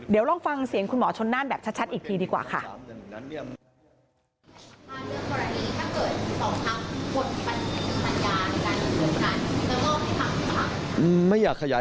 เดี๋ยวลองฟังเสียงคุณหมอชนน่านแบบชัดอีกทีดีกว่าค่ะ